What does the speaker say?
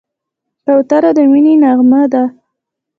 کوتره د مینې نغمه ده.